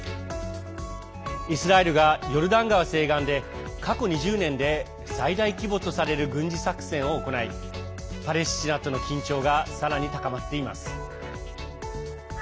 イスラエルがヨルダン川西岸で過去２０年で最大規模とされる軍事作戦を行いパレスチナとの緊張がさらに高まっています。